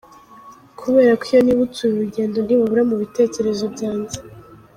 Kubera ko iyo nibutse uru rugendo ntibabura mu bitekerezo byanjye.